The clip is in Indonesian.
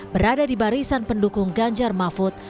berada di barisan pendukung ganjar mahfud